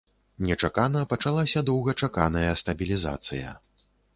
Нечакана пачалася доўгачаканая стабілізацыя.